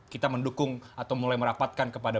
kita mendukung atau mulai merapatkan kepada